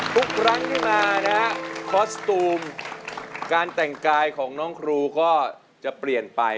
ทุกครั้งที่มานะฮะคอสตูมการแต่งกายของน้องครูก็จะเปลี่ยนไป